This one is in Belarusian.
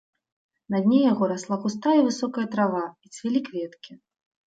На дне яго расла густая і высокая трава і цвілі кветкі.